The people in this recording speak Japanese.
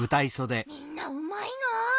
みんなうまいな。